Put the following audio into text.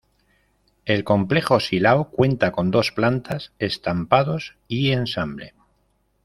El Complejo Silao cuenta con dos plantas, Estampados y Ensamble.